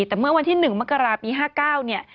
แต่เมื่อวันที่๑มกรปี๕๙